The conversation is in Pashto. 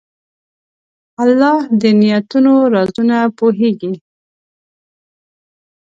الله د نیتونو رازونه پوهېږي.